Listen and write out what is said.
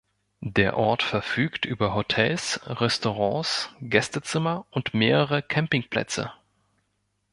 Der Ort verfügt über Hotels, Restaurants, Gästezimmer und mehrere Campingplätze.